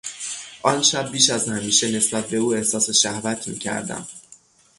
آن شب بیش از همیشه نسبت به او احساس شهوت میکردم.